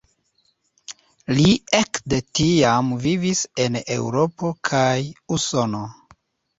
Li ekde tiam vivis en Eŭropo kaj Usono.